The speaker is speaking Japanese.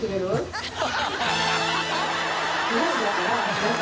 アハハハ！